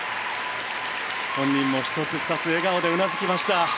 本人も１つ、２つ笑顔でうなずきました。